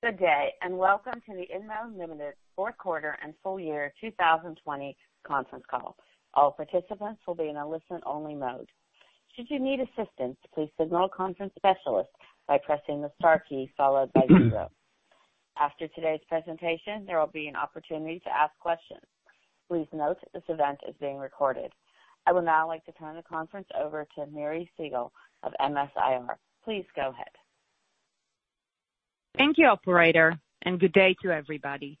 Good day, and welcome to the InMode Ltd. fourth quarter and full year 2020 conference call. All participants will be in a listen-only mode. Should you need assistance, please signal a conference specialist by pressing the star key followed by zero. After today's presentation, there will be an opportunity to ask questions. Please note this event is being recorded. I would now like to turn the conference over to Miri Segal of MS-IR. Please go ahead. Thank you, Operator, and good day to everybody.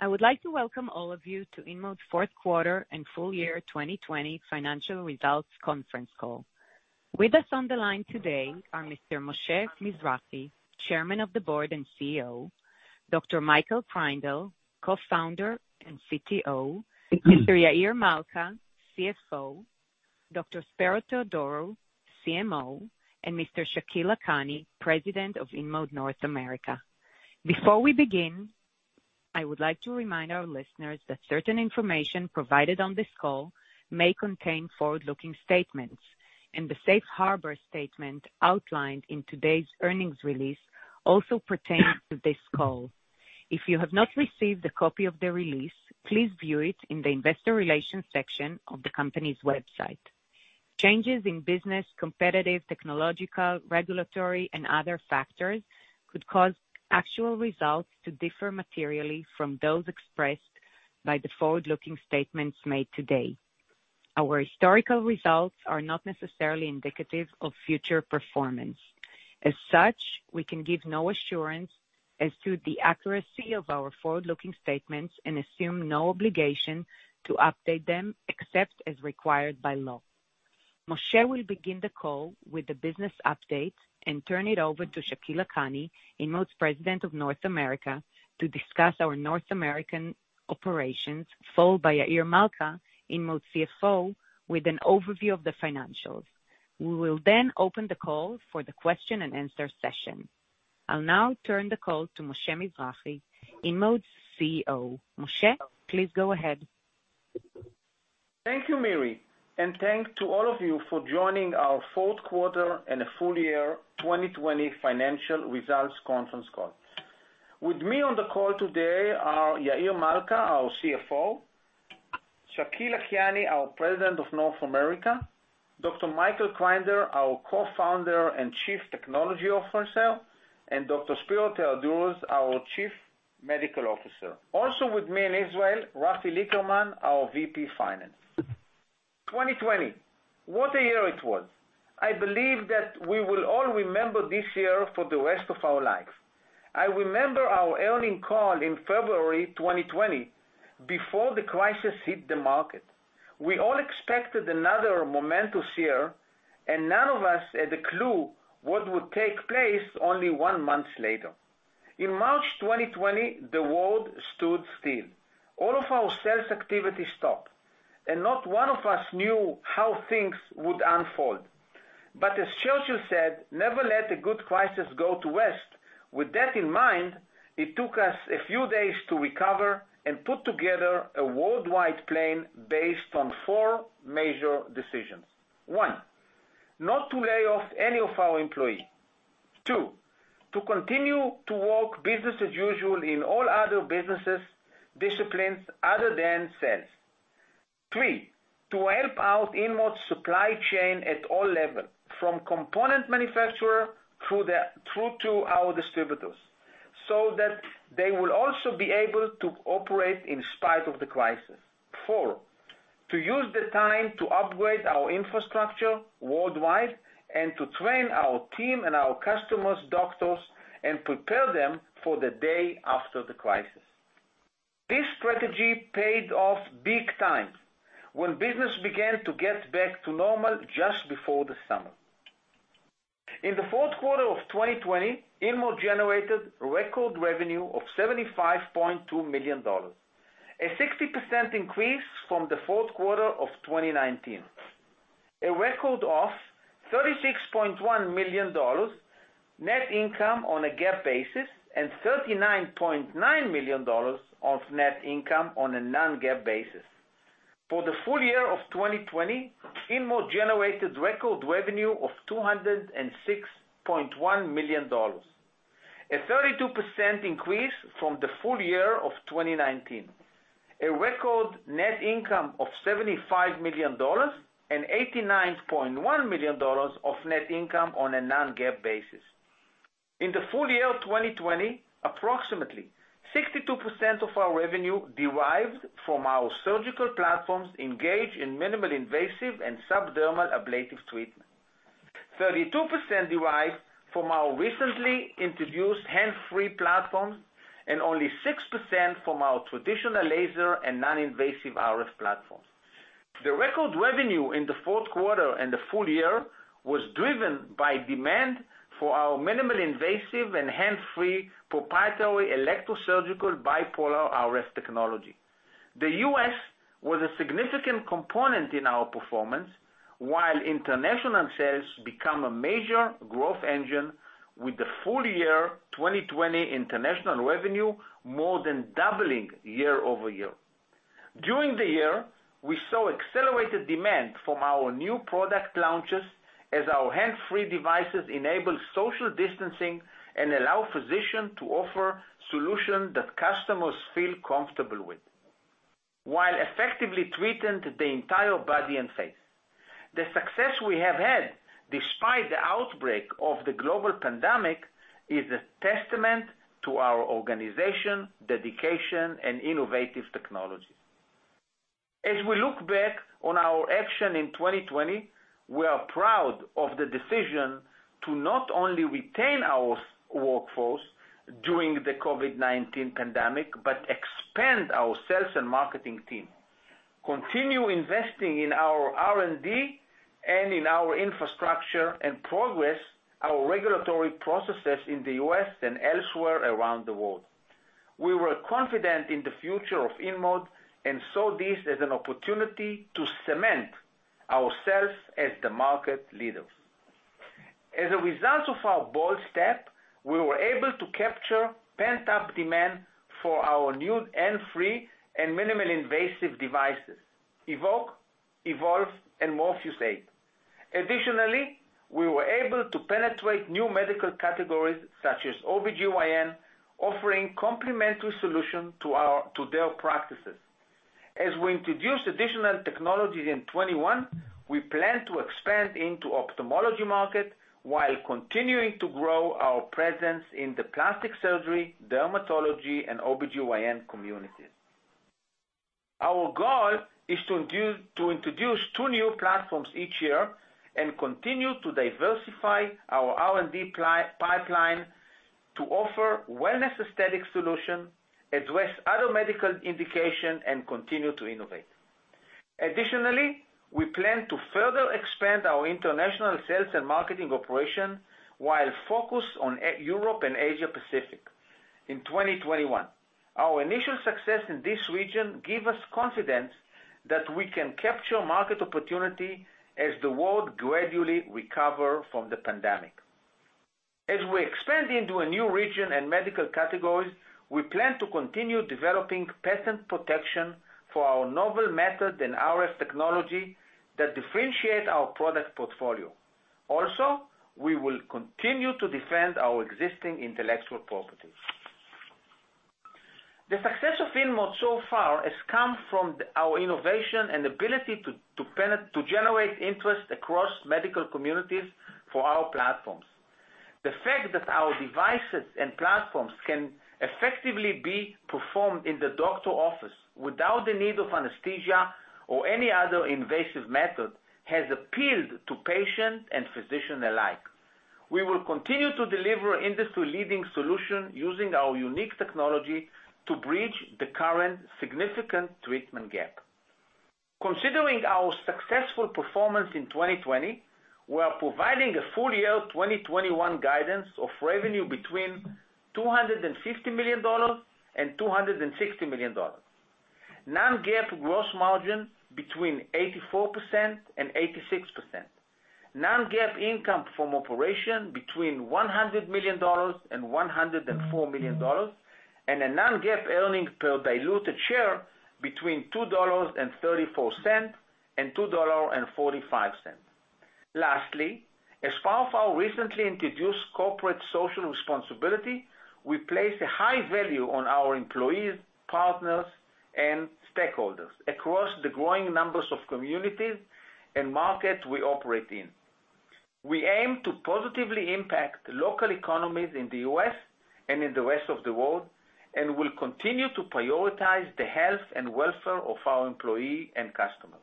I would like to welcome all of you to InMode's fourth quarter and full year 2020 financial results conference call. With us on the line today are Mr. Moshe Mizrahy, Chairman of the Board and CEO, Dr. Michael Kreindel, Co-founder and CTO, Mr. Yair Malca, CFO, Dr. Spero Theodorou, CMO, and Mr. Shakil Lakhani, President of InMode North America. Before we begin, I would like to remind our listeners that certain information provided on this call may contain forward-looking statements, and the safe harbor statement outlined in today's earnings release also pertains to this call. If you have not received a copy of the release, please view it in the investor relations section of the company's website. Changes in business, competitive, technological, regulatory, and other factors could cause actual results to differ materially from those expressed by the forward-looking statements made today. Our historical results are not necessarily indicative of future performance. As such, we can give no assurance as to the accuracy of our forward-looking statements and assume no obligation to update them except as required by law. Moshe will begin the call with the business update and turn it over to Shakil Lakhani, InMode's President of North America, to discuss our North American operations, followed by Yair Malca, InMode's CFO, with an overview of the financials. We will then open the call for the question-and-answer session. I'll now turn the call to Moshe Mizrahy, InMode's CEO. Moshe, please go ahead. Thank you, Miri, and thanks to all of you for joining our fourth quarter and full year 2020 financial results conference call. With me on the call today are Yair Malca, our CFO, Shakil Lakhani, our President of North America, Dr. Michael Kreindel, our Co-founder and Chief Technology Officer, and Dr. Spero Theodorou, our Chief Medical Officer. Also with me in Israel, Rafi Lickerman, our VP Finance. 2020, what a year it was. I believe that we will all remember this year for the rest of our lives. I remember our earnings call in February 2020 before the crisis hit the market. We all expected another momentous year, and none of us had a clue what would take place only one month later. In March 2020, the world stood still. All of our sales activity stopped, and not one of us knew how things would unfold. As Churchill said, never let a good crisis go to waste. With that in mind, it took us a few days to recover and put together a worldwide plan based on four major decisions. One, not to lay off any of our employees. Two, to continue to work business as usual in all other business disciplines other than sales. Three, to help out InMode's supply chain at all levels, from component manufacturer through to our distributors, so that they will also be able to operate in spite of the crisis. Four, to use the time to upgrade our infrastructure worldwide and to train our team and our customers' doctors and prepare them for the day after the crisis. This strategy paid off big time when business began to get back to normal just before the summer. In the fourth quarter of 2020, InMode generated record revenue of $75.2 million, a 60% increase from the fourth quarter of 2019. A record of $36.1 million net income on a GAAP basis and $39.9 million of net income on a non-GAAP basis. For the full year of 2020, InMode generated record revenue of $206.1 million, a 32% increase from the full year of 2019. A record net income of $75 million and $89.1 million of net income on a non-GAAP basis. In the full year of 2020, approximately 62% of our revenue derived from our surgical platforms engaged in minimally invasive and subdermal ablative treatment. 32% derived from our recently introduced hands-free platform, and only 6% from our traditional laser and non-invasive RF platform. The record revenue in the fourth quarter and the full year was driven by demand for our minimally invasive and hands-free proprietary electrosurgical bipolar RF technology. The U.S. was a significant component in our performance, while international sales become a major growth engine with the full year 2020 international revenue more than doubling year-over-year. During the year, we saw accelerated demand from our new product launches as our hands-free devices enable social distancing and allow physicians to offer solutions that customers feel comfortable with while effectively treating the entire body and face. The success we have had despite the outbreak of the global pandemic is a testament to our organization, dedication, and innovative technology. As we look back on our action in 2020, we are proud of the decision to not only retain our workforce during the COVID-19 pandemic, but expand our sales and marketing team, continue investing in our R&D and in our infrastructure, and progress our regulatory processes in the U.S. and elsewhere around the world. We were confident in the future of InMode and saw this as an opportunity to cement ourselves as the market leaders. As a result of our bold step, we were able to capture pent-up demand for our new hands-free and minimally invasive devices, Evoke, Evolve, and Morpheus8. Additionally, we were able to penetrate new medical categories such as OBGYN, offering complementary solutions to their practices. As we introduce additional technologies in 2021, we plan to expand into ophthalmology market while continuing to grow our presence in the plastic surgery, dermatology, and OBGYN communities. Our goal is to introduce two new platforms each year and continue to diversify our R&D pipeline to offer wellness aesthetic solution, address other medical indication, and continue to innovate. Additionally, we plan to further expand our international sales and marketing operation while focused on Europe and Asia Pacific in 2021. Our initial success in this region gives us confidence that we can capture market opportunity as the world gradually recover from the pandemic. As we expand into a new region and medical categories, we plan to continue developing patent protection for our novel method and RF technology that differentiate our product portfolio. Also, we will continue to defend our existing intellectual property. The success of InMode so far has come from our innovation and ability to generate interest across medical communities for our platforms. The fact that our devices and platforms can effectively be performed in the doctor office without the need of anesthesia or any other invasive method has appealed to patients and physicians alike. We will continue to deliver industry-leading solution using our unique technology to bridge the current significant treatment gap. Considering our successful performance in 2020, we are providing a full year 2021 guidance of revenue between $250 million and $260 million. Non-GAAP gross margin between 84% and 86%. Non-GAAP income from operation between $100 million and $104 million. A non-GAAP earnings per diluted share between $2.34 and $2.45. Lastly, as part of our recently introduced corporate social responsibility, we place a high value on our employees, partners, and stakeholders across the growing numbers of communities and markets we operate in. We aim to positively impact local economies in the U.S. and in the rest of the world, and will continue to prioritize the health and welfare of our employee and customers.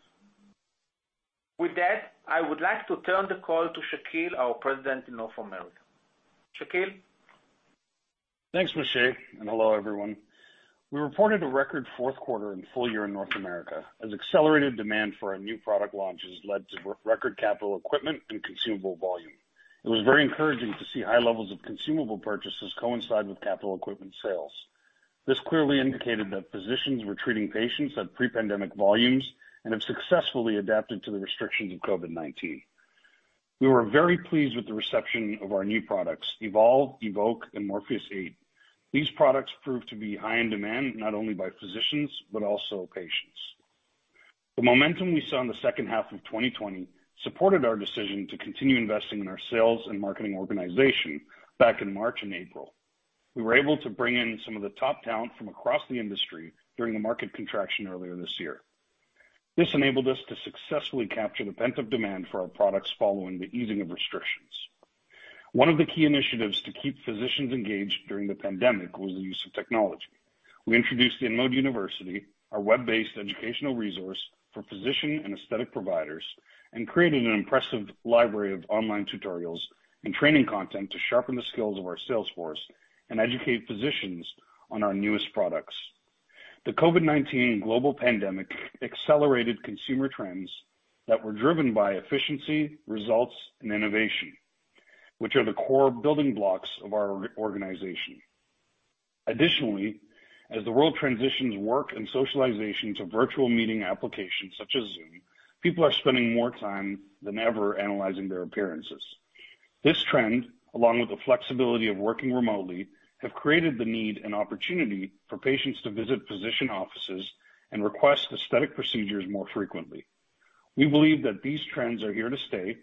With that, I would like to turn the call to Shakil, our President of North America. Shakil? Thanks, Moshe. Hello, everyone. We reported a record fourth quarter and full year in North America as accelerated demand for our new product launches led to record capital equipment and consumable volume. It was very encouraging to see high levels of consumable purchases coincide with capital equipment sales. This clearly indicated that physicians were treating patients at pre-pandemic volumes and have successfully adapted to the restrictions of COVID-19. We were very pleased with the reception of our new products, Evolve, Evoke, and Morpheus8. These products proved to be high in demand, not only by physicians, but also patients. The momentum we saw in the second half of 2020 supported our decision to continue investing in our sales and marketing organization back in March and April. We were able to bring in some of the top talent from across the industry during the market contraction earlier this year. This enabled us to successfully capture the pent-up demand for our products following the easing of restrictions. One of the key initiatives to keep physicians engaged during the pandemic was the use of technology. We introduced the InMode University, our web-based educational resource for physician and aesthetic providers, and created an impressive library of online tutorials and training content to sharpen the skills of our sales force and educate physicians on our newest products. The COVID-19 global pandemic accelerated consumer trends that were driven by efficiency, results, and innovation, which are the core building blocks of our organization. As the world transitions work and socialization to virtual meeting applications such as Zoom, people are spending more time than ever analyzing their appearances. This trend, along with the flexibility of working remotely, have created the need and opportunity for patients to visit physician offices and request aesthetic procedures more frequently. We believe that these trends are here to stay,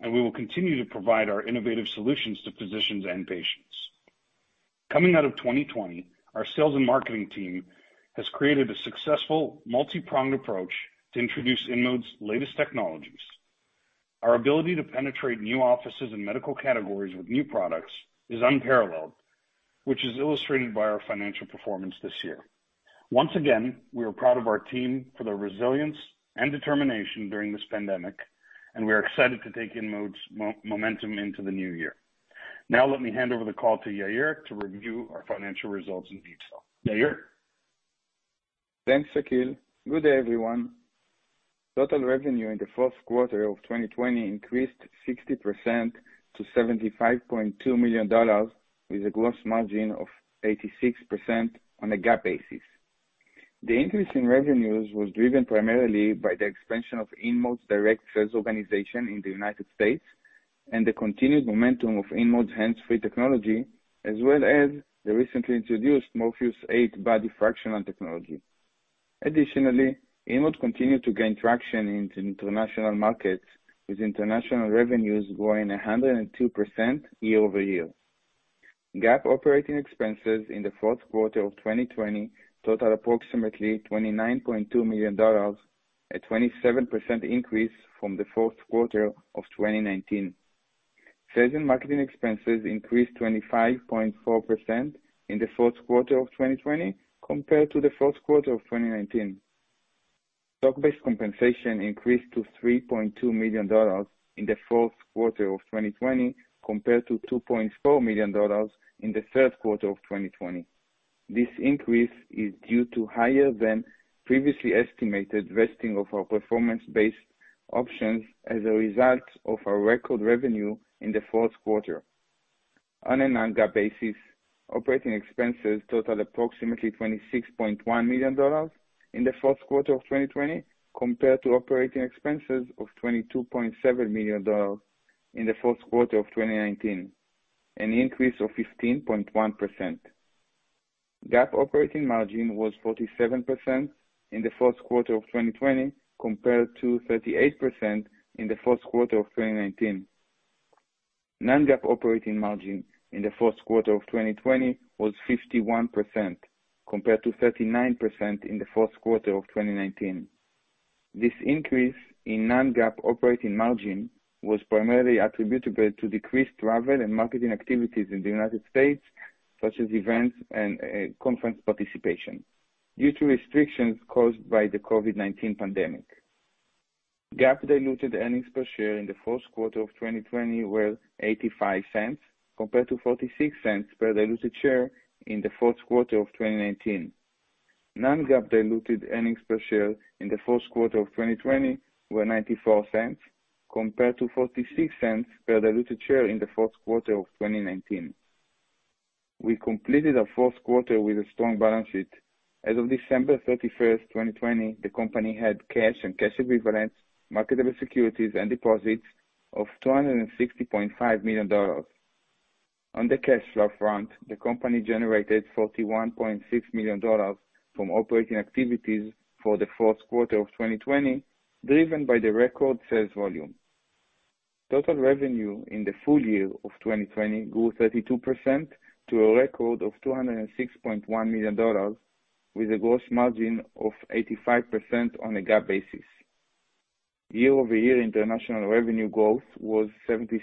and we will continue to provide our innovative solutions to physicians and patients. Coming out of 2020, our sales and marketing team has created a successful multi-pronged approach to introduce InMode's latest technologies. Our ability to penetrate new offices and medical categories with new products is unparalleled, which is illustrated by our financial performance this year. Once again, we are proud of our team for their resilience and determination during this pandemic, and we're excited to take InMode's momentum into the new year. Now let me hand over the call to Yair to review our financial results in detail. Yair? Thanks, Shakil. Good day, everyone. Total revenue in the fourth quarter of 2020 increased 60% to $75.2 million, with a gross margin of 86% on a GAAP basis. The increase in revenues was driven primarily by the expansion of InMode's direct sales organization in the United States and the continued momentum of InMode's hands-free technology, as well as the recently introduced Morpheus8 body fractional technology. Additionally, InMode continued to gain traction into international markets, with international revenues growing 102% year-over-year. GAAP operating expenses in the fourth quarter of 2020 totaled approximately $29.2 million, a 27% increase from the fourth quarter of 2019. Sales and marketing expenses increased 25.4% in the fourth quarter of 2020 compared to the fourth quarter of 2019. Stock-based compensation increased to $3.2 million in the fourth quarter of 2020 compared to $2.4 million in the third quarter of 2020. This increase is due to higher than previously estimated vesting of our performance-based options as a result of our record revenue in the fourth quarter. On a non-GAAP basis, operating expenses totaled approximately $26.1 million in the fourth quarter of 2020, compared to operating expenses of $22.7 million in the fourth quarter of 2019, an increase of 15.1%. GAAP operating margin was 47% in the fourth quarter of 2020 compared to 38% in the fourth quarter of 2019. Non-GAAP operating margin in the fourth quarter of 2020 was 51%, compared to 39% in the fourth quarter of 2019. This increase in non-GAAP operating margin was primarily attributable to decreased travel and marketing activities in the United States, such as events and conference participation due to restrictions caused by the COVID-19 pandemic. GAAP diluted earnings per share in the fourth quarter of 2020 were $0.85, compared to $0.46 per diluted share in the fourth quarter of 2019. Non-GAAP diluted earnings per share in the fourth quarter of 2020 were $0.94, compared to $0.46 per diluted share in the fourth quarter of 2019. We completed our fourth quarter with a strong balance sheet. As of December 31st, 2020, the company had cash and cash equivalents, marketable securities, and deposits of $260.5 million. On the cash flow front, the company generated $41.6 million from operating activities for the fourth quarter of 2020, driven by the record sales volume. Total revenue in the full year of 2020 grew 32% to a record of $206.1 million, with a gross margin of 85% on a GAAP basis. Year-over-year international revenue growth was 76%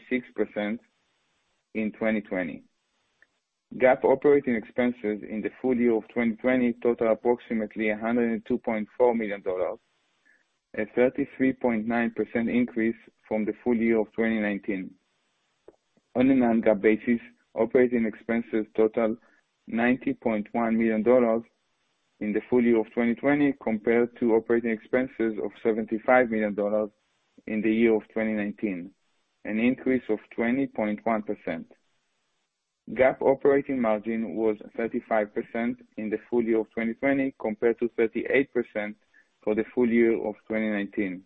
in 2020. GAAP operating expenses in the full year of 2020 totaled approximately $102.4 million, a 33.9% increase from the full year of 2019. On a non-GAAP basis, operating expenses totaled $90.1 million in the full year of 2020 compared to operating expenses of $75 million in the year of 2019, an increase of 20.1%. GAAP operating margin was 35% in the full year of 2020 compared to 38% for the full year of 2019.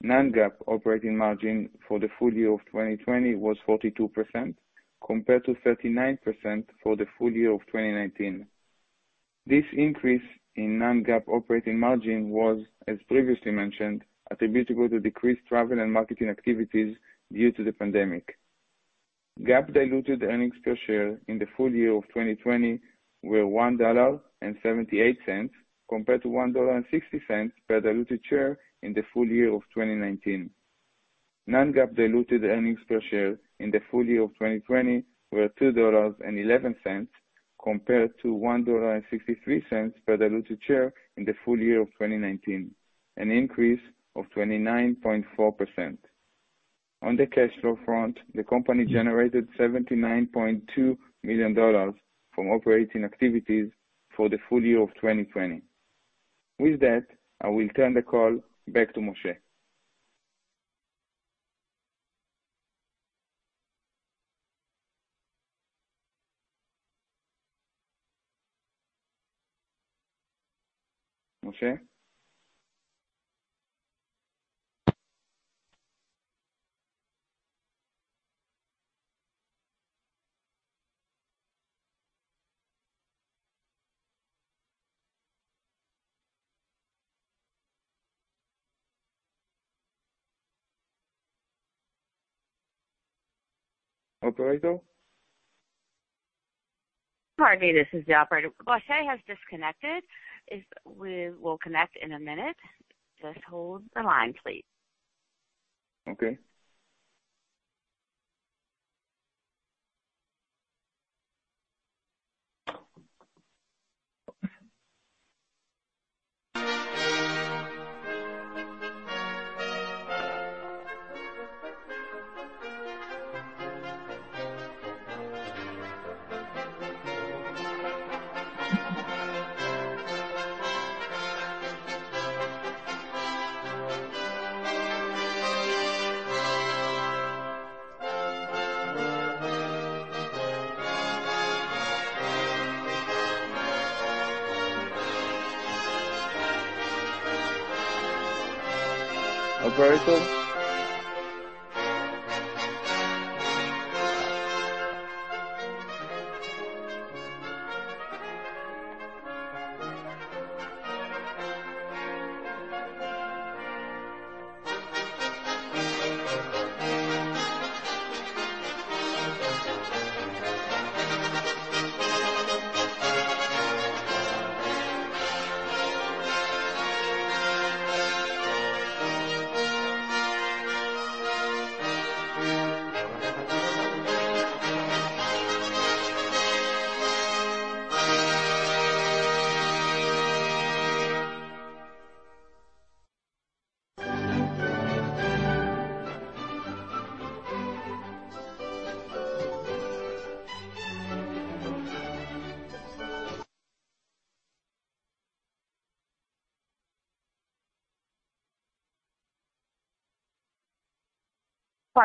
Non-GAAP operating margin for the full year of 2020 was 42%, compared to 39% for the full year of 2019. This increase in non-GAAP operating margin was, as previously mentioned, attributable to decreased travel and marketing activities due to the pandemic. GAAP diluted earnings per share in the full year of 2020 were $1.78, compared to $1.60 per diluted share in the full year of 2019. Non-GAAP diluted earnings per share in the full year of 2020 were $2.11 compared to $1.63 per diluted share in the full year of 2019, an increase of 29.4%. On the cash flow front, the company generated $79.2 million from operating activities for the full year of 2020. With that, I will turn the call back to Moshe. Moshe? Operator? Pardon me. This is the Operator. Moshe has disconnected. He will connect in a minute. Just hold the line, please. Okay.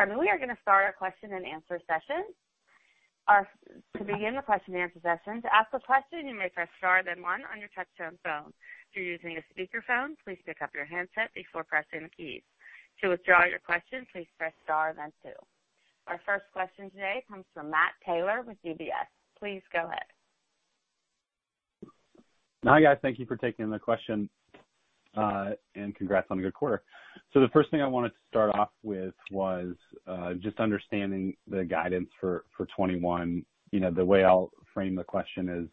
Operator? Pardon me. We are going to start our question-and-answer session. Our first question today comes from Matt Taylor with UBS. Please go ahead. Hi, guys. Thank you for taking the question, and congrats on a good quarter. The first thing I wanted to start off with was just understanding the guidance for 2021. The way I'll frame the question is,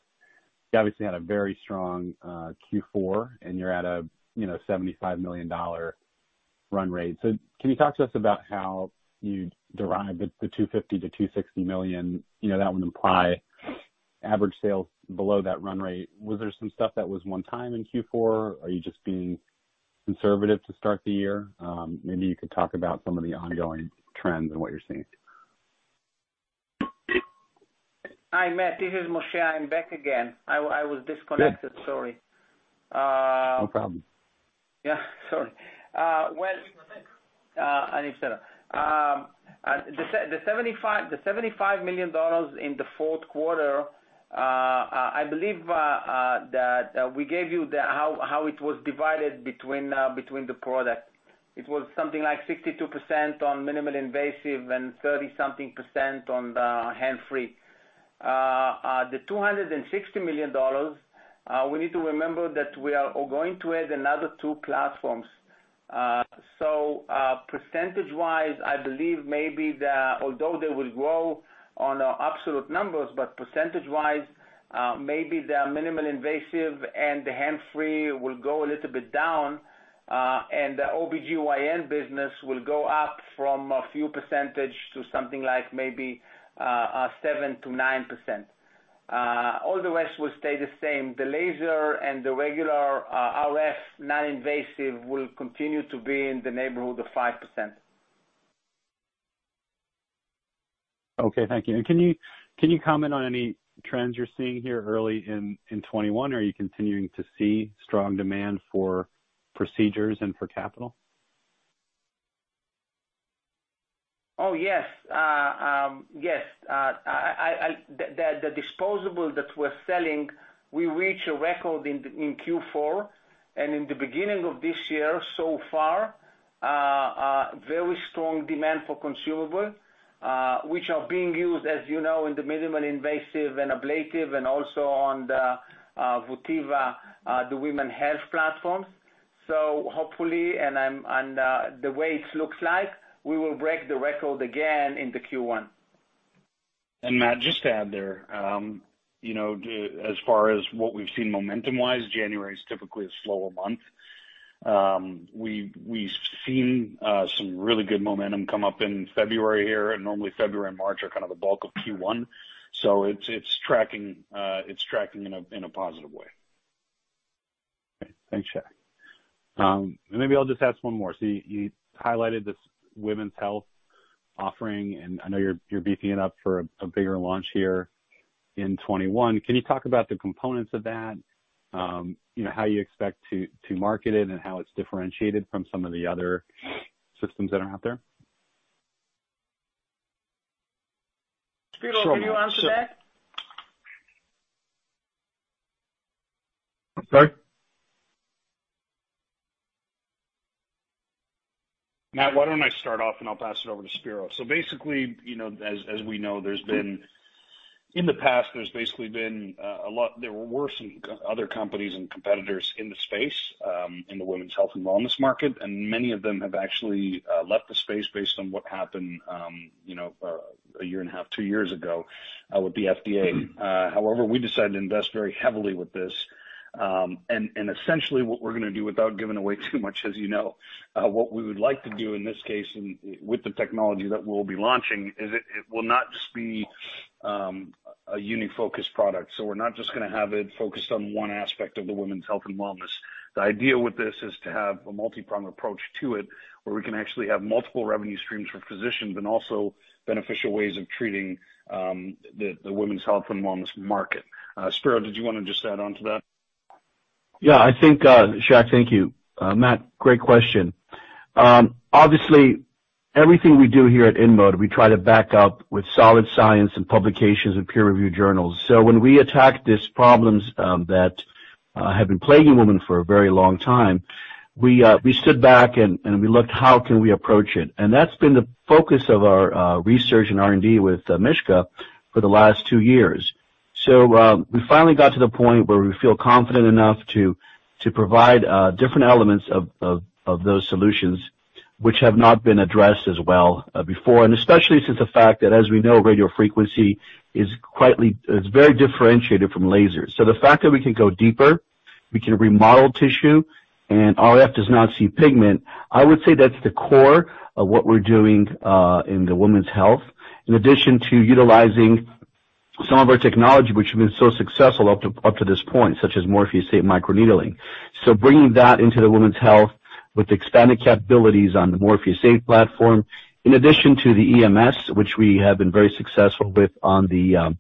you obviously had a very strong Q4, and you're at a $75 million run rate. Can you talk to us about how you derive the $250 million-$260 million? That would imply average sales below that run rate. Was there some stuff that was one time in Q4? Are you just being conservative to start the year? Maybe you could talk about some of the ongoing trends and what you're seeing. Hi, Matt. This is Moshe. I'm back again. I was disconnected, sorry. No problem. Yeah, sorry. The $75 million in the fourth quarter, I believe that we gave you how it was divided between the products. It was something like 62% on minimally invasive and 30% something on the hands-free. The $260 million, we need to remember that we are going to add another two platforms. Percentage-wise, I believe maybe although they will grow on absolute numbers, percentage-wise, maybe the minimally invasive and the hands-free will go a little bit down, the OBGYN business will go up from a few percentage to something like maybe 7%-9%. All the rest will stay the same. The laser and the regular RF non-invasive will continue to be in the neighborhood of 5%. Okay, thank you. Can you comment on any trends you're seeing here early in 2021? Are you continuing to see strong demand for procedures and for capital? Oh, yes. The disposable that we're selling, we reached a record in Q4, and in the beginning of this year, so far, very strong demand for consumable, which are being used, as you know, in the minimally invasive and ablative and also on the Votiva, the women health platforms. Hopefully, and the way it looks like, we will break the record again in the Q1. Matt, just to add there, as far as what we've seen momentum-wise, January is typically a slower month. We've seen some really good momentum come up in February here, and normally February and March are kind of the bulk of Q1. It's tracking in a positive way. Thanks, Shaq. Maybe I'll just ask one more. You highlighted this women's health offering, and I know you're beefing it up for a bigger launch here in 2021. Can you talk about the components of that? How you expect to market it, and how it's differentiated from some of the other systems that are out there? Spero, can you answer that? I'm sorry? Matt, why don't I start off, and I'll pass it over to Spero? Basically, as we know, in the past, there were some other companies and competitors in the space, in the women's health and wellness market. Many of them have actually left the space based on what happened a year and a half, two years ago, with the FDA. However, we decided to invest very heavily with this. Essentially, what we're going to do, without giving away too much as you know, what we would like to do in this case and with the technology that we'll be launching, is it will not just be a uni-focused product. We're not just going to have it focused on one aspect of the women's health and wellness. The idea with this is to have a multi-pronged approach to it, where we can actually have multiple revenue streams for physicians and also beneficial ways of treating the women's health and wellness market. Spero, did you want to just add onto that? Yeah. Shaq, thank you. Matt, great question. Obviously, everything we do here at InMode, we try to back up with solid science and publications and peer review journals. When we attacked these problems that have been plaguing women for a very long time, we stood back and we looked how can we approach it? That's been the focus of our research and R&D with Mischka for the last two years. We finally got to the point where we feel confident enough to provide different elements of those solutions which have not been addressed as well before, and especially since the fact that, as we know, radio frequency is very differentiated from lasers. The fact that we can go deeper, we can remodel tissue, and RF does not see pigment, I would say that's the core of what we're doing in the women's health, in addition to utilizing some of our technology, which has been so successful up to this point, such as Morpheus8 microneedling. Bringing that into the women's health with expanded capabilities on the Morpheus8 platform, in addition to the EMS, which we have been very successful with on the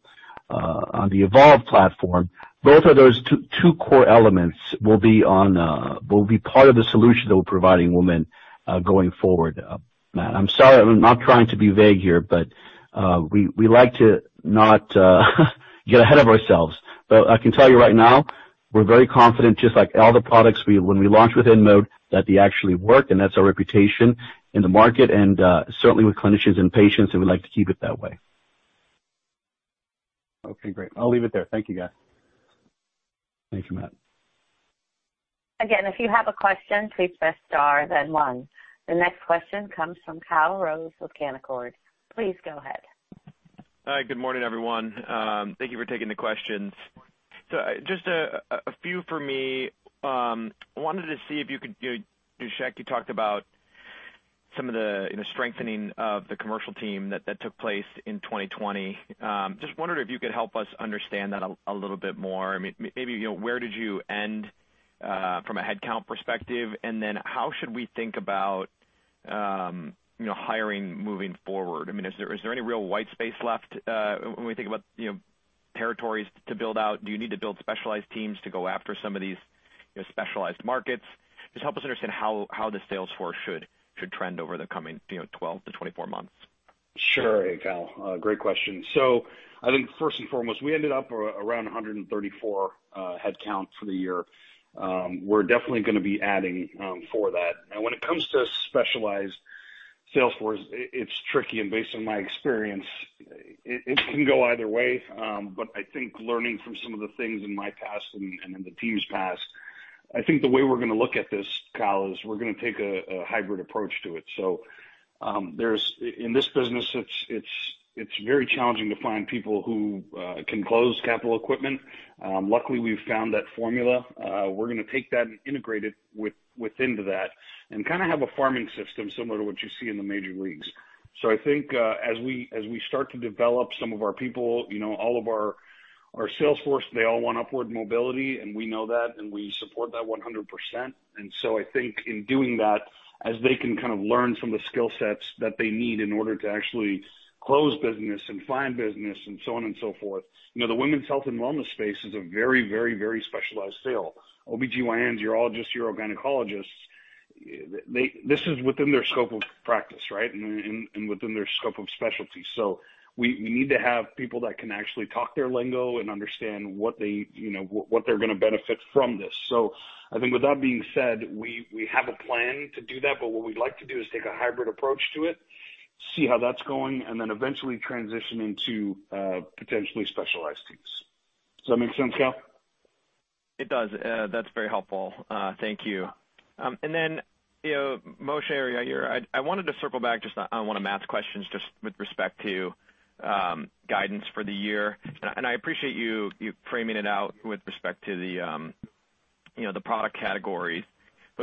Evolve platform, both of those two core elements will be part of the solution that we're providing women going forward, Matt. I'm sorry, I'm not trying to be vague here, but we like to not get ahead of ourselves. I can tell you right now, we're very confident, just like all the products when we launch with InMode, that they actually work, and that's our reputation in the market and certainly with clinicians and patients, and we'd like to keep it that way. Okay, great. I'll leave it there. Thank you, guys. Thank you, Matt. Again, if you have a question, please press star then one. The next question comes from Kyle Rose with Canaccord. Please go ahead. Hi. Good morning, everyone. Thank Thank you for taking the questions. Just a few for me. Wanted to see if you could, Shaq, you talked about some of the strengthening of the commercial team that took place in 2020. Just wondering if you could help us understand that a little bit more. Maybe where did you end from a head count perspective, and then how should we think about hiring moving forward? Is there any real white space left when we think about territories to build out? Do you need to build specialized teams to go after some of these specialized markets? Just help us understand how the sales force should trend over the coming 12-24 months. Sure. Hey, Kyle. Great question. I think first and foremost, we ended up around 134 head count for the year. We're definitely going to be adding for that. When it comes to specialized sales force, it's tricky, and based on my experience, it can go either way. I think learning from some of the things in my past and in the team's past, I think the way we're going to look at this, Kyle, is we're going to take a hybrid approach to it. In this business, it's very challenging to find people who can close capital equipment. Luckily, we've found that formula. We're going to take that and integrate it within to that and kind of have a farming system similar to what you see in the major leagues. I think as we start to develop some of our people, all of our sales force, they all want upward mobility, and we know that, and we support that 100%. I think in doing that, as they can kind of learn from the skill sets that they need in order to actually close business and find business and so on and so forth. The women's health and wellness space is a very, very, very specialized sale. OBGYNs, urologists, urogynecologists, this is within their scope of practice, right? Within their scope of specialty. We need to have people that can actually talk their lingo and understand what they're going to benefit from this. I think with that being said, we have a plan to do that, but what we'd like to do is take a hybrid approach to it, see how that's going, and then eventually transition into potentially specialized teams. Does that make sense, Kyle? It does. That's very helpful. Thank you. Then Moshe or Yair, I wanted to circle back just on one of Matt questions, just with respect to guidance for the year. I appreciate you framing it out with respect to the product categories.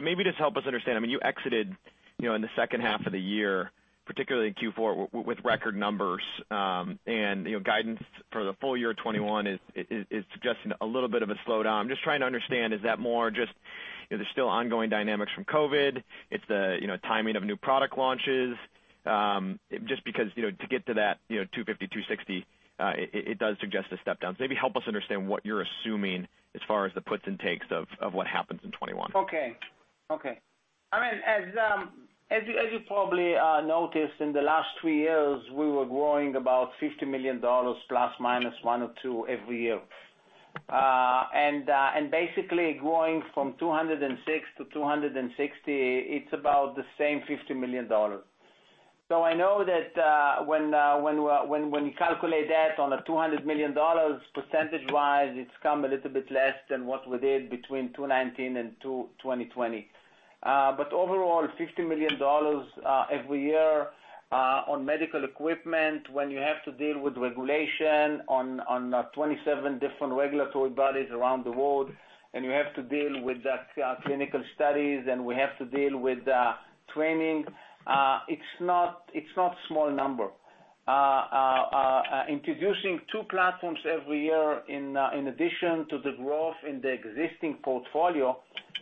Maybe just help us understand, you exited in the second half of the year, particularly Q4, with record numbers. Guidance for the full year 2021 is suggesting a little bit of a slowdown. I'm just trying to understand, is that more just there's still ongoing dynamics from COVID? It's the timing of new product launches? Just because to get to that $250 million, $260 million, it does suggest a step down. Maybe help us understand what you're assuming as far as the puts and takes of what happens in 2021. Okay. As you probably noticed, in the last three years, we were growing about $50 million ±1 or 2 every year. Basically growing from $206 million to $260 million, it's about the same $50 million. I know that when you calculate that on a $200 million, percentage-wise, it's come a little bit less than what we did between 2019 and 2020. Overall, $50 million every year on medical equipment, when you have to deal with regulation on 27 different regulatory bodies around the world, and you have to deal with the clinical studies, and we have to deal with training, it's not a small number. Introducing two platforms every year in addition to the growth in the existing portfolio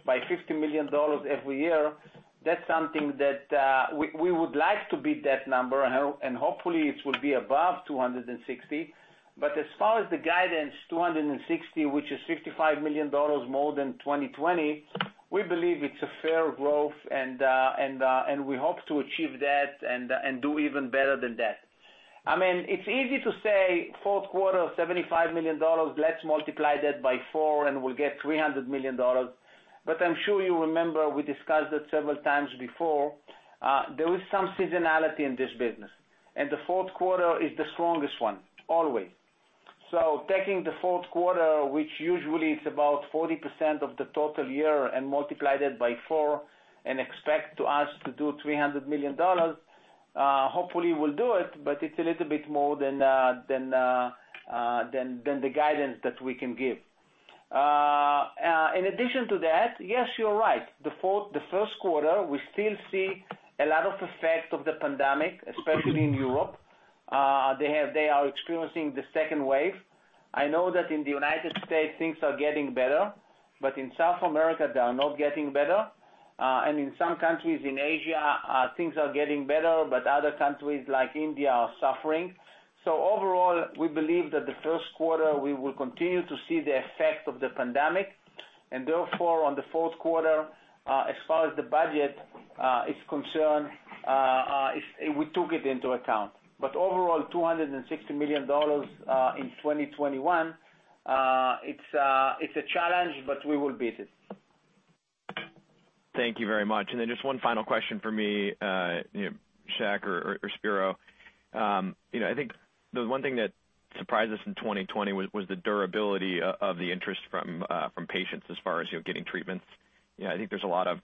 by $50 million every year, that's something that we would like to beat that number, and hopefully it will be above 260. As far as the guidance, 260, which is $55 million more than 2020, we believe it's a fair growth and we hope to achieve that and do even better than that. It's easy to say fourth quarter, $75 million, let's multiply that by four and we'll get $300 million, I'm sure you remember we discussed that several times before. There is some seasonality in this business, the fourth quarter is the strongest one, always. Taking the fourth quarter, which usually it's about 40% of the total year, and multiply that by four and expect to us to do $300 million, hopefully we'll do it's a little bit more than the guidance that we can give. In addition to that, Yes, you're right. The first quarter, we still see a lot of effects of the pandemic, especially in Europe. They are experiencing the second wave. I know that in the U.S., things are getting better, but in South America, they are not getting better. In some countries in Asia, things are getting better, but other countries like India are suffering. Overall, we believe that the first quarter, we will continue to see the effects of the pandemic, and therefore, on the fourth quarter, as far as the budget is concerned, we took it into account. Overall, $260 million in 2021, it's a challenge, but we will beat it. Thank you very much. Just one final question from me, Shaq or Spero. I think the one thing that surprised us in 2020 was the durability of the interest from patients as far as getting treatments. I think there's a lot of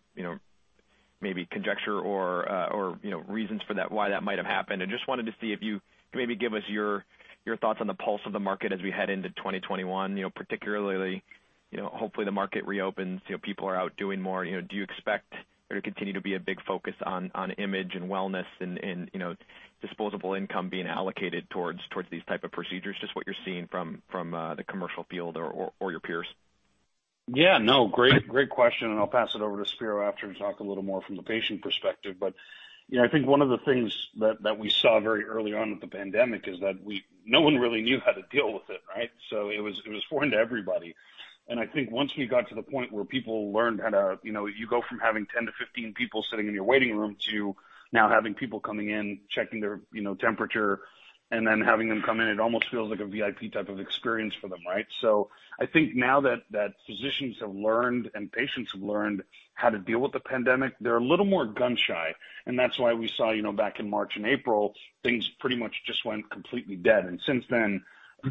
maybe conjecture or reasons for why that might have happened. I just wanted to see if you could maybe give us your thoughts on the pulse of the market as we head into 2021. Particularly, hopefully the market reopens, people are out doing more. Do you expect there to continue to be a big focus on image and wellness and disposable income being allocated towards these type of procedures? Just what you're seeing from the commercial field or your peers. Yeah, no, great question, and I'll pass it over to Spero after to talk a little more from the patient perspective. I think one of the things that we saw very early on with the pandemic is that no one really knew how to deal with it, right? It was foreign to everybody. I think once we got to the point where people learned how to, you go from having 10-15 people sitting in your waiting room to now having people coming in, checking their temperature, and then having them come in, it almost feels like a VIP type of experience for them, right? I think now that physicians have learned and patients have learned how to deal with the pandemic, they're a little more gun-shy, and that's why we saw back in March and April, things pretty much just went completely dead. Since then,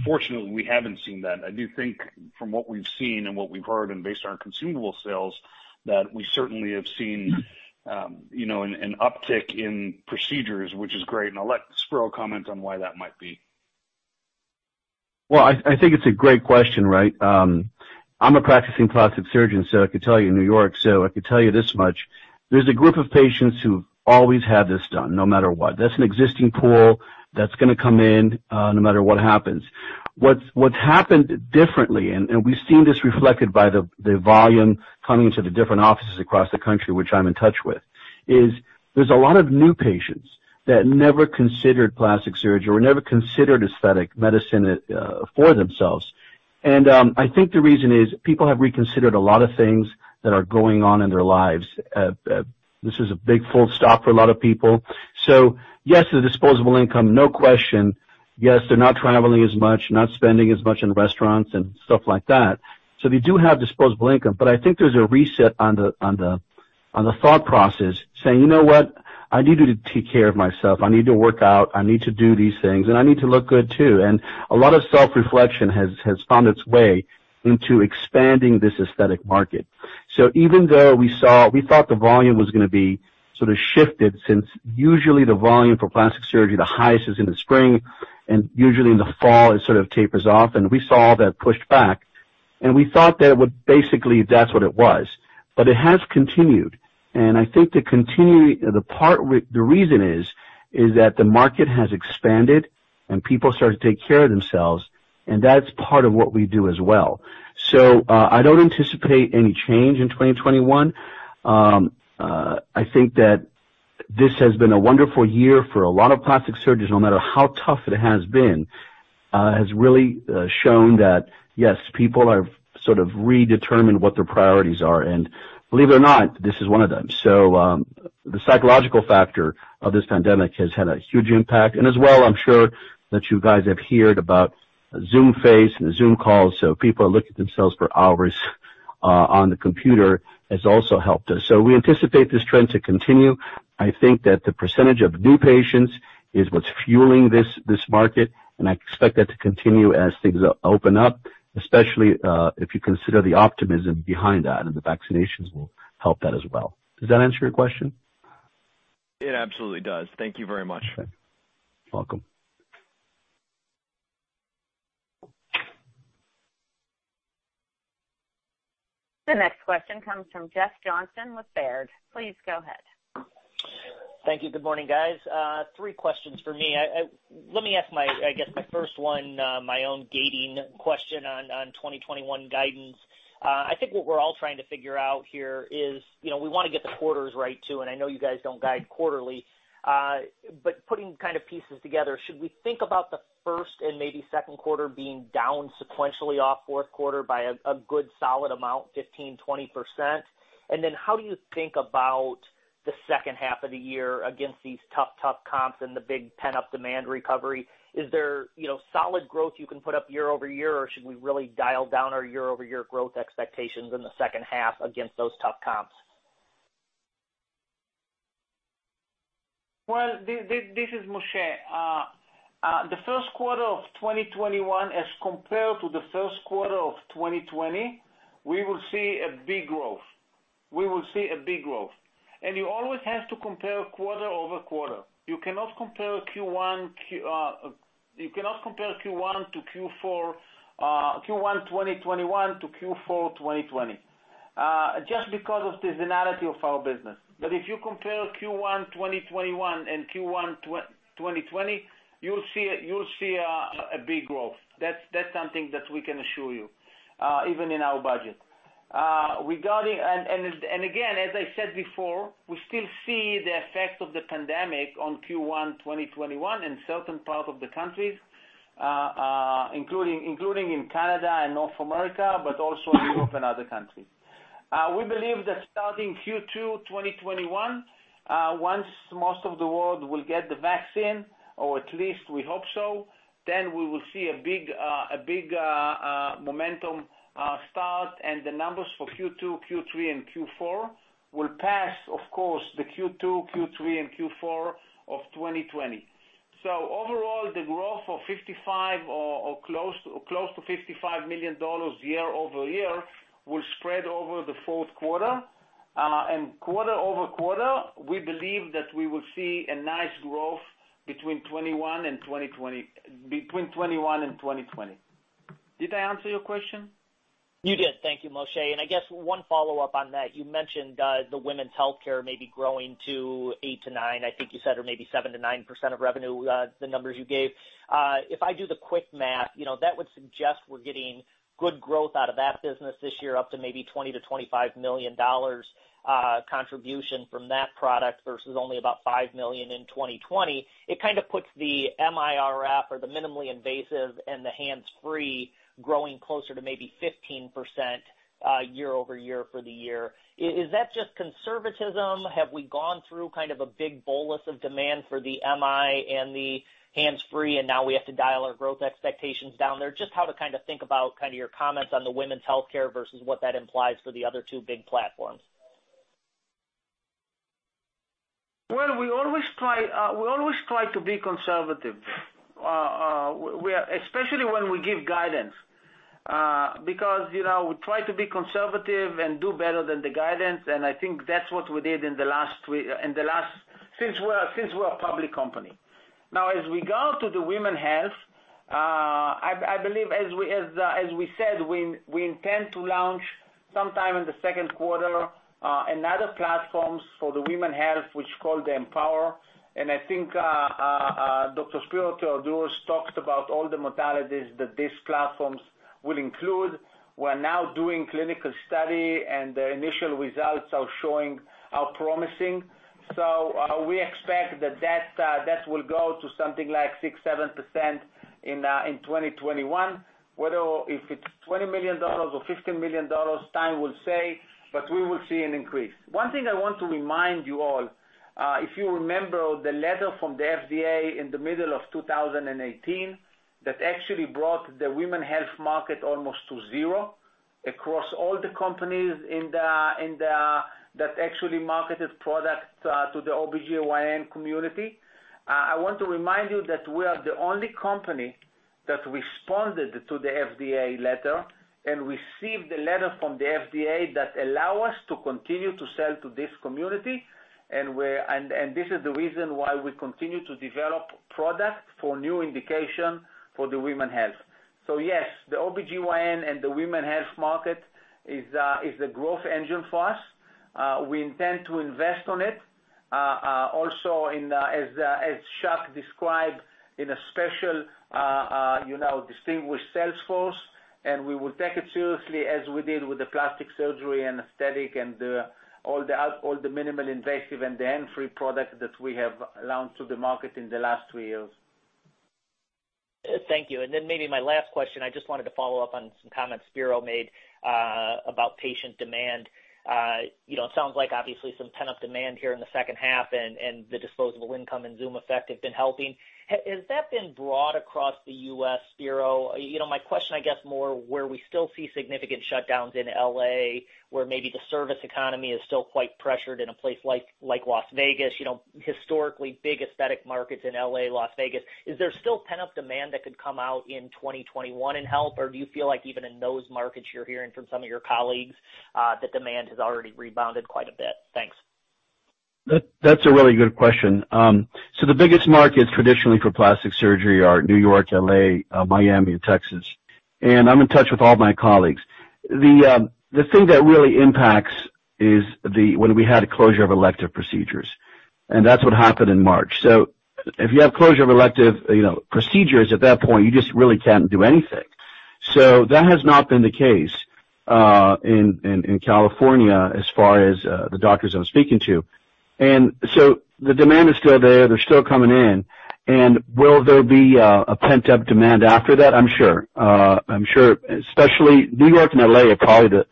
fortunately, we haven't seen that. I do think from what we've seen and what we've heard, and based on our consumable sales, that we certainly have seen an uptick in procedures, which is great, and I'll let Spero comment on why that might be. Well, I think it's a great question, right? I'm a practicing plastic surgeon, I could tell you in New York, so I could tell you this much. There's a group of patients who've always had this done, no matter what. That's an existing pool that's going to come in no matter what happens. What's happened differently, we've seen this reflected by the volume coming into the different offices across the country, which I'm in touch with, is there's a lot of new patients that never considered plastic surgery or never considered aesthetic medicine for themselves. I think the reason is people have reconsidered a lot of things that are going on in their lives. This is a big full stop for a lot of people. Yes, the disposable income, no question. Yes, they're not traveling as much, not spending as much in restaurants and stuff like that. They do have disposable income. I think there's a reset on the thought process, saying, You know what? I need to take care of myself. I need to work out. I need to do these things, and I need to look good, too. A lot of self-reflection has found its way into expanding this aesthetic market. Even though we thought the volume was going to be sort of shifted, since usually the volume for plastic surgery, the highest is in the spring, and usually in the fall, it sort of tapers off, and we saw that pushed back. We thought that would basically, that's what it was. It has continued, and I think the reason is that the market has expanded, and people started to take care of themselves, and that's part of what we do as well. I don't anticipate any change in 2021. This has been a wonderful year for a lot of plastic surgeons, no matter how tough it has been. It has really shown that, yes, people have sort of redetermined what their priorities are, and believe it or not, this is one of them. The psychological factor of this pandemic has had a huge impact. As well, I'm sure that you guys have heard about Zoom face and Zoom calls. People are looking at themselves for hours on the computer, it has also helped us. We anticipate this trend to continue. I think that the percentage of new patients is what's fueling this market, and I expect that to continue as things open up, especially, if you consider the optimism behind that, and the vaccinations will help that as well. Does that answer your question? It absolutely does. Thank you very much. You're welcome. The next question comes from Jeff Johnson with Baird. Please go ahead. Thank you. Good morning, guys. Three questions for me. Let me ask, I guess my first one, my own gating question on 2021 guidance. I think what we're all trying to figure out here is, we want to get the quarters right, too, and I know you guys don't guide quarterly. Putting kind of pieces together, should we think about the first and maybe second quarter being down sequentially off fourth quarter by a good solid amount, 15%-20%? How do you think about the second half of the year against these tough comps and the big pent-up demand recovery? Is there solid growth you can put up year-over-year, or should we really dial down our year-over-year growth expectations in the second half against those tough comps? Well, this is Moshe. The first quarter of 2021 as compared to the first quarter of 2020, we will see a big growth. You always have to compare quarter-over-quarter. You cannot compare Q1 2021 to Q4 2020, just because of the seasonality of our business. If you compare Q1 2021 and Q1 2020, you'll see a big growth. That's something that we can assure you, even in our budget. Again, as I said before, we still see the effect of the pandemic on Q1 2021 in certain parts of the countries, including in Canada and North America, but also in Europe and other countries. We believe that starting Q2 2021, once most of the world will get the vaccine, or at least we hope so, then we will see a big momentum start and the numbers for Q2, Q3 and Q4 will pass, of course, the Q2, Q3 and Q4 of 2020. Overall, the growth of $55 million or close to $55 million year-over-year will spread over the fourth quarter. Quarter-over-quarter, we believe that we will see a nice growth between 2021 and 2020. Did I answer your question? You did. Thank you, Moshe. I guess one follow-up on that. You mentioned the women's healthcare may be growing to 8%-9%, I think you said, or maybe 7%-9% of revenue, the numbers you gave. If I do the quick math, that would suggest we're getting good growth out of that business this year, up to maybe $20 million-$25 million contribution from that product versus only about $5 million in 2020. It kind of puts the MI-RF or the minimally invasive and the hands-free growing closer to maybe 15% year-over-year for the year. Is that just conservatism? Have we gone through kind of a big bolus of demand for the MI and the hands-free, and now we have to dial our growth expectations down there? Just how to kind of think about your comments on the women's healthcare versus what that implies for the other two big platforms? We always try to be conservative, especially when we give guidance. We try to be conservative and do better than the guidance. I think that's what we did since we're a public company. As regard to the women's health, I believe, as we said, we intend to launch sometime in the second quarter, another platform for the women's health, which is called the EmpowerRF. I think, Dr. Spero Theodorou talked about all the modalities that these platforms will include. We're now doing clinical study. The initial results are promising. We expect that will grow to something like 6%-7% in 2021. Whether if it's $20 million or $15 million, time will say. We will see an increase. One thing I want to remind you all, if you remember the letter from the FDA in the middle of 2018 that actually brought the women health market almost to zero across all the companies that actually marketed products to the OBGYN community. I want to remind you that we are the only company that responded to the FDA letter and received a letter from the FDA that allow us to continue to sell to this community. This is the reason why we continue to develop products for new indication for the women health. Yes, the OBGYN and the women health market is the growth engine for us. We intend to invest on it. As Shaq described in a special distinguished sales force, and we will take it seriously as we did with the plastic surgery and aesthetic and all the minimally invasive and the hands-free product that we have launched to the market in the last three years. Thank you. Then maybe my last question, I just wanted to follow up on some comments Spero made about patient demand. It sounds like obviously some pent-up demand here in the second half and the disposable income and Zoom effect have been helping. Has that been broad across the U.S., Spero? My question, I guess, more where we still see significant shutdowns in L.A., where maybe the service economy is still quite pressured in a place like Las Vegas. Historically big aesthetic markets in L.A., Las Vegas. Is there still pent-up demand that could come out in 2021 and help? Do you feel like even in those markets, you're hearing from some of your colleagues that demand has already rebounded quite a bit? Thanks. That's a really good question. The biggest markets traditionally for plastic surgery are New York, L.A., Miami, and Texas, and I'm in touch with all my colleagues. The thing that really impacts is when we had a closure of elective procedures, and that's what happened in March. If you have closure of elective procedures at that point, you just really can't do anything. That has not been the case in California as far as the doctors I'm speaking to. The demand is still there, they're still coming in. Will there be a pent-up demand after that? I'm sure. Especially New York and L.A. are probably the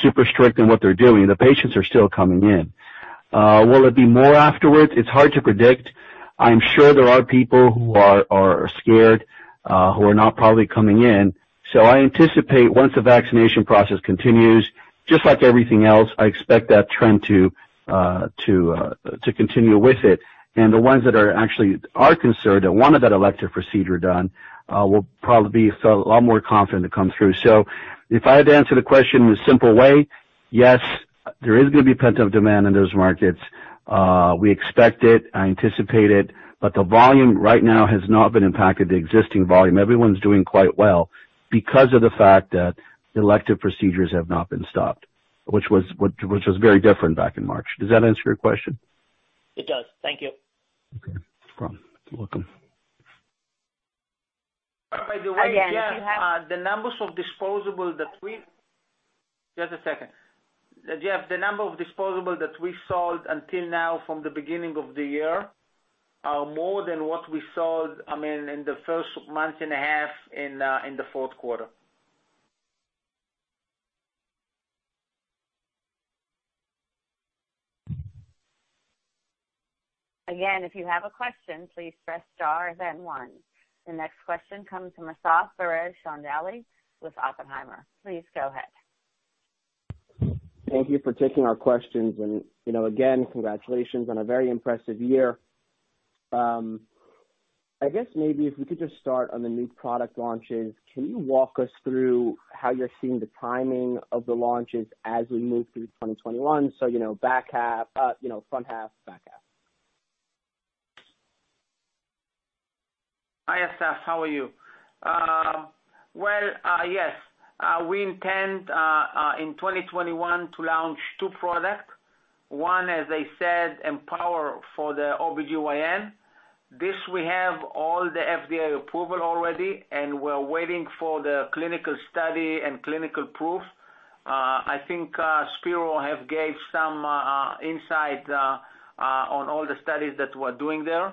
super strict in what they're doing. The patients are still coming in. Will it be more afterwards? It's hard to predict. I'm sure there are people who are scared, who are not probably coming in. I anticipate once the vaccination process continues, just like everything else, I expect that trend to continue with it. The ones that are actually are concerned and wanted that elective procedure done, will probably be a lot more confident to come through. If I had to answer the question in a simple way, yes, there is going to be pent-up demand in those markets. We expect it. I anticipate it, but the volume right now has not been impacted, the existing volume. Everyone's doing quite well because of the fact that elective procedures have not been stopped, which was very different back in March. Does that answer your question? It does. Thank you. Okay. No problem. You're welcome. By the way, Jeff. Again, if you have- Just a second. Jeff, the number of disposable that we sold until now from the beginning of the year are more than what we sold, I mean, in the first month and a half in the fourth quarter. If you have a question, please press star then one. The next question comes from Asaf Barel Chandali with Oppenheimer. Please go ahead. Thank you for taking our questions. Again, congratulations on a very impressive year. I guess maybe if we could just start on the new product launches. Can you walk us through how you're seeing the timing of the launches as we move through 2021? Front half, back half. Hi, Asaf. How are you? Well, yes. We intend, in 2021 to launch two products. One, as I said, Empower for the OBGYN. This, we have all the FDA approval already, and we're waiting for the clinical study and clinical proof. I think Spero have gave some insight on all the studies that we're doing there.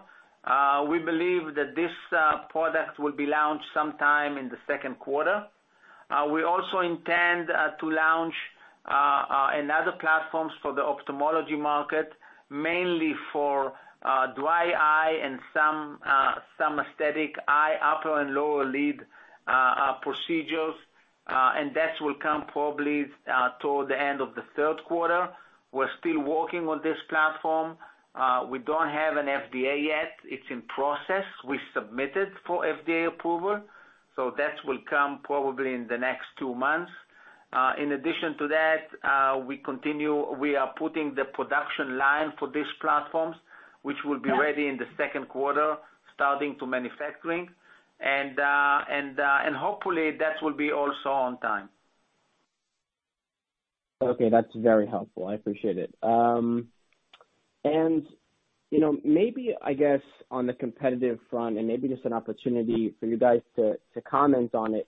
We believe that this product will be launched sometime in the second quarter. We also intend to launch another platform for the ophthalmology market, mainly for dry eye and some aesthetic eye upper and lower lid procedures. That will come probably toward the end of the third quarter. We're still working on this platform. We don't have an FDA yet. It's in process. We submitted for FDA approval, so that will come probably in the next two months. In addition to that, we are putting the production line for these platforms, which will be ready in the second quarter, starting to manufacturing. Hopefully, that will be also on time. Okay, that's very helpful. I appreciate it. Maybe, I guess, on the competitive front, and maybe just an opportunity for you guys to comment on it.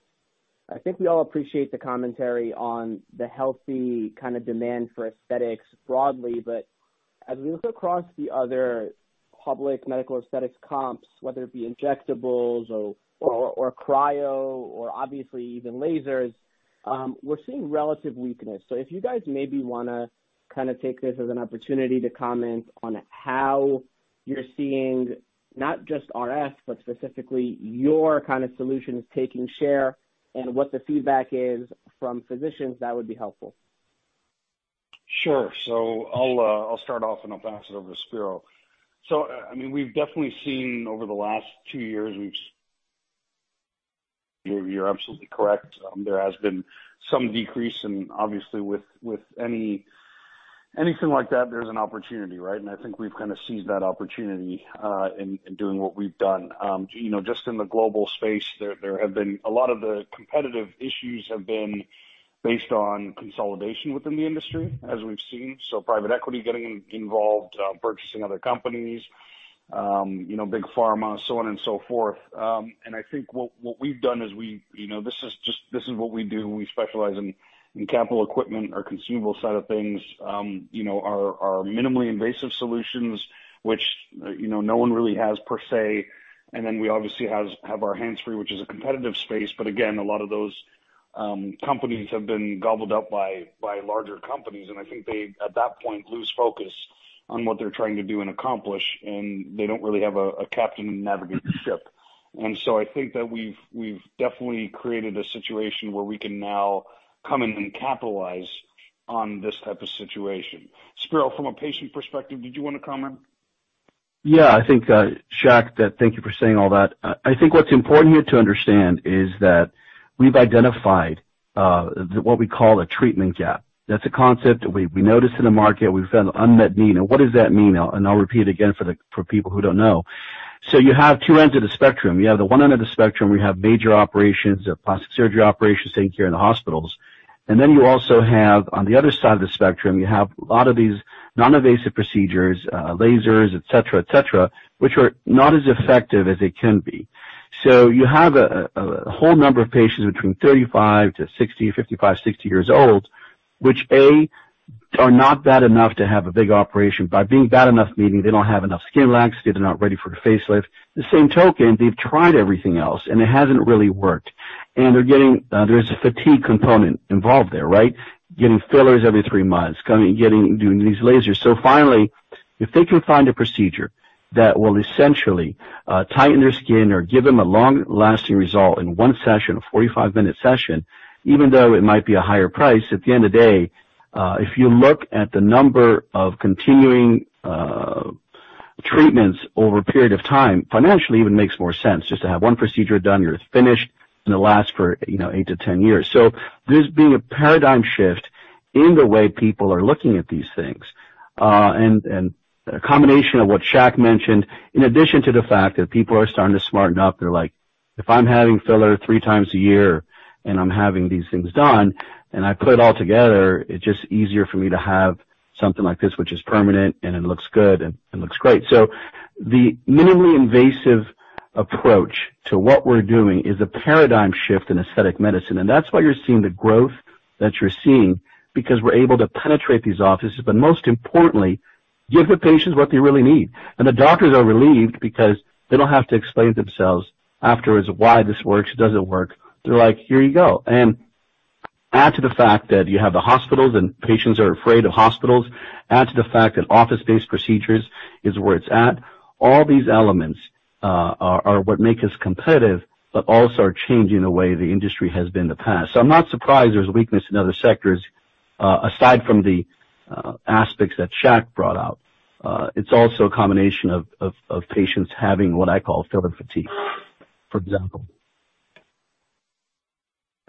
I think we all appreciate the commentary on the healthy kind of demand for aesthetics broadly. As we look across the other public medical aesthetics comps, whether it be injectables or cryo, or obviously even lasers, we're seeing relative weakness. If you guys maybe want to kind of take this as an opportunity to comment on how you're seeing not just RF, but specifically your kind of solutions taking share and what the feedback is from physicians, that would be helpful. Sure. I'll start off, and I'll pass it over to Spero. I mean, we've definitely seen over the last two years, you're absolutely correct. There has been some decrease, obviously with anything like that, there's an opportunity, right? I think we've kind of seized that opportunity in doing what we've done. Just in the global space, a lot of the competitive issues have been based on consolidation within the industry, as we've seen. Private equity getting involved, purchasing other companies, big pharma, so on and so forth. I think what we've done is This is what we do. We specialize in capital equipment or consumable side of things. Our minimally invasive solutions, which No one really has per se, and then we obviously have our hands-free, which is a competitive space. Again, a lot of those companies have been gobbled up by larger companies, and I think they, at that point, lose focus on what they're trying to do and accomplish, and they don't really have a captain to navigate the ship. I think that we've definitely created a situation where we can now come in and capitalize on this type of situation. Spero, from a patient perspective, did you want to comment? Yeah. Shaq, thank you for saying all that. I think what's important here to understand is that we've identified what we call a treatment gap. That's a concept we noticed in the market. We found unmet need. What does that mean? I'll repeat again for people who don't know. You have two ends of the spectrum. You have the one end of the spectrum, we have major operations or plastic surgery operations taking care in the hospitals. You also have, on the other side of the spectrum, you have a lot of these non-invasive procedures, lasers, et cetera, which are not as effective as they can be. You have a whole number of patients between 35-60, 55, 60 years old, which, A, are not bad enough to have a big operation. By being bad enough, meaning they don't have enough skin laxity, they're not ready for the facelift. The same token, they've tried everything else, it hasn't really worked. There's a fatigue component involved there, right? Getting fillers every three months, doing these lasers. Finally, if they can find a procedure that will essentially tighten their skin or give them a long-lasting result in one session, a 45-minute session, even though it might be a higher price, at the end of the day, if you look at the number of continuing treatments over a period of time, financially, even makes more sense just to have one procedure done, you're finished, and it lasts for 8-10 years. This being a paradigm shift in the way people are looking at these things. A combination of what Shaq mentioned, in addition to the fact that people are starting to smarten up. They're like, If I'm having filler three times a year and I'm having these things done and I put it all together, it's just easier for me to have something like this, which is permanent and it looks good and it looks great. The minimally invasive approach to what we're doing is a paradigm shift in aesthetic medicine, and that's why you're seeing the growth that you're seeing because we're able to penetrate these offices, but most importantly, give the patients what they really need. The doctors are relieved because they don't have to explain themselves afterwards why this works, it doesn't work. They're like, Here you go. Add to the fact that you have the hospitals and patients are afraid of hospitals. Add to the fact that office-based procedures is where it's at. All these elements are what make us competitive, but also are changing the way the industry has been in the past. I'm not surprised there's weakness in other sectors, aside from the aspects that Shaq brought out. It's also a combination of patients having what I call filler fatigue, for example.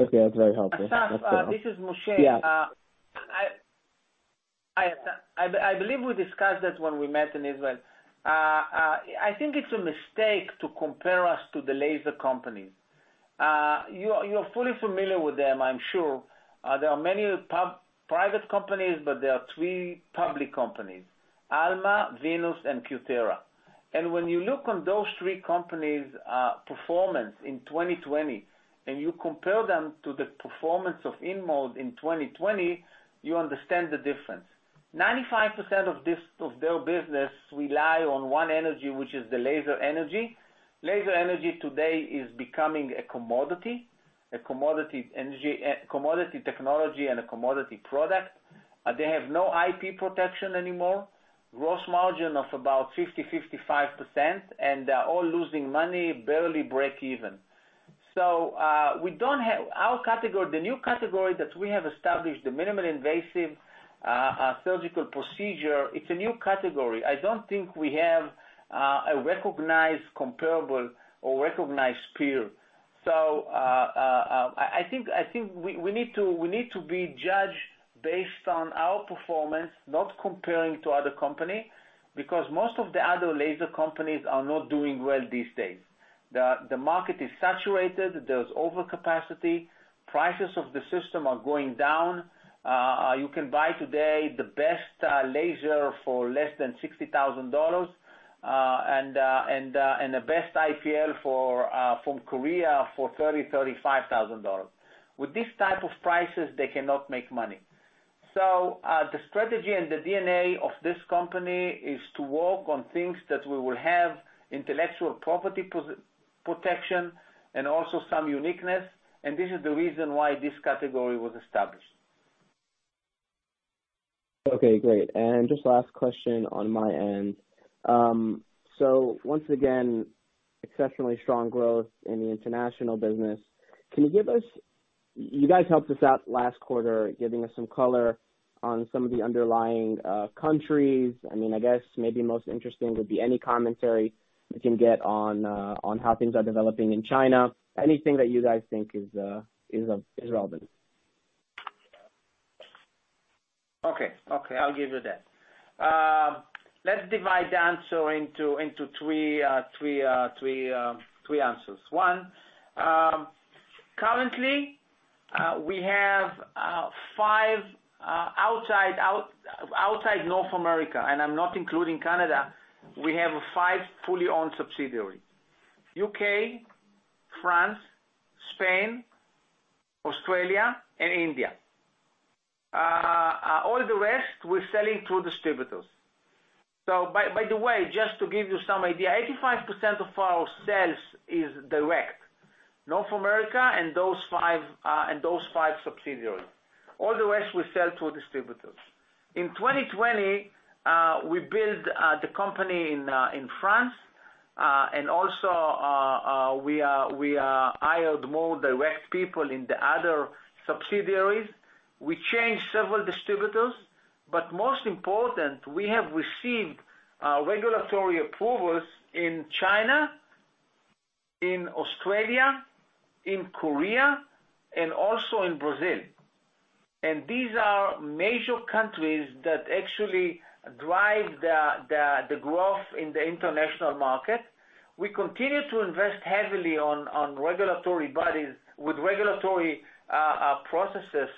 Okay. That's very helpful. Asaf, this is Moshe. Yeah. I believe we discussed this when we met in Israel. I think it's a mistake to compare us to the laser companies. You're fully familiar with them, I'm sure. There are many private companies, there are three public companies, Alma, Venus, and Cutera. When you look on those three companies' performance in 2020, and you compare them to the performance of InMode in 2020, you understand the difference. 95% of their business rely on one energy, which is the laser energy. Laser energy today is becoming a commodity, a commodity technology, and a commodity product. They have no IP protection anymore. Gross margin of about 50%-55%, and they're all losing money, barely break even. The new category that we have established, the minimally invasive surgical procedure, it's a new category. I don't think we have a recognized comparable or recognized peer. I think we need to be judged based on our performance, not comparing to other companies, because most of the other laser companies are not doing well these days. The market is saturated. There's overcapacity. Prices of the system are going down. You can buy today the best laser for less than $60,000, and the best IPL from Korea for $30,000, $35,000. With these type of prices, they cannot make money. The strategy and the DNA of this company is to work on things that we will have intellectual property protection and also some uniqueness, and this is the reason why this category was established. Okay, great. Just last question on my end. So once again, exceptionally strong growth in the international business. You guys helped us out last quarter, giving us some color on some of the underlying countries. I guess maybe most interesting would be any commentary we can get on how things are developing in China. Anything that you guys think is relevant. Okay. I'll give you that. Let's divide the answer into three answers. One, currently, outside North America, and I'm not including Canada, we have five fully owned subsidiaries. U.K., France, Spain, Australia, and India. All the rest, we're selling through distributors. By the way, just to give you some idea, 85% of our sales is direct, North America and those five subsidiaries. All the rest we sell to distributors. In 2020, we built the company in France, and also we hired more direct people in the other subsidiaries. We changed several distributors, most important, we have received regulatory approvals in China, in Australia, in Korea, and also in Brazil. These are major countries that actually drive the growth in the international market. We continue to invest heavily on regulatory bodies with regulatory processes,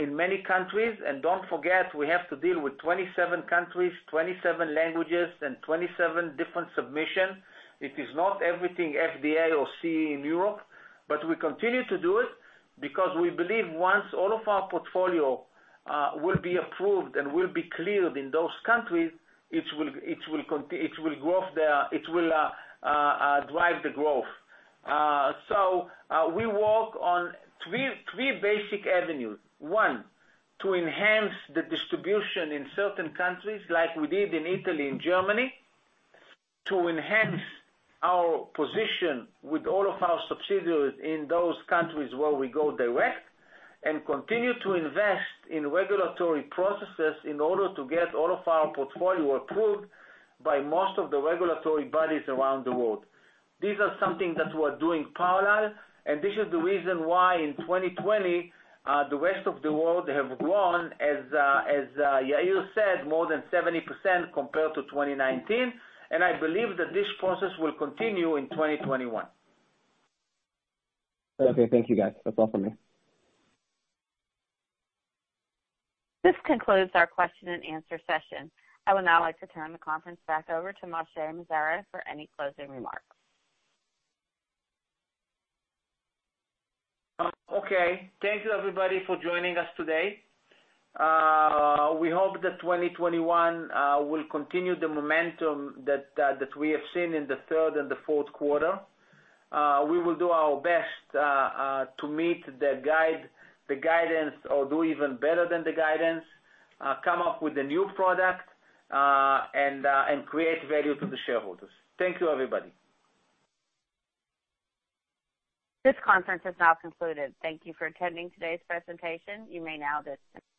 in many countries. Don't forget, we have to deal with 27 countries, 27 languages, and 27 different submissions. It is not everything FDA or CE in Europe, we continue to do it because we believe once all of our portfolio will be approved and will be cleared in those countries, it will drive the growth. We work on three basic avenues. One, to enhance the distribution in certain countries like we did in Italy and Germany, to enhance our position with all of our subsidiaries in those countries where we go direct and continue to invest in regulatory processes in order to get all of our portfolio approved by most of the regulatory bodies around the world. These are something that we're doing parallel, and this is the reason why in 2020, the rest of the world have grown, as Yair said, more than 70% compared to 2019, and I believe that this process will continue in 2021. Okay. Thank you, guys. That's all for me. This concludes our question-and-answer session. I would now like to turn the conference back over to Moshe Mizrahy for any closing remarks. Thank you, everybody, for joining us today. We hope that 2021 will continue the momentum that we have seen in the third and the fourth quarter. We will do our best to meet the guidance or do even better than the guidance, come up with a new product, and create value to the shareholders. Thank you, everybody. This conference has now concluded. Thank you for attending today's presentation. You may now disconnect.